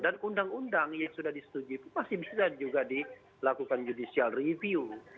dan undang undang yang sudah disetujui itu masih bisa juga dilakukan judicial review